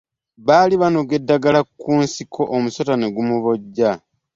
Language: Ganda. Baali banoga ddagala ku nsiko omusota ne gumuboja.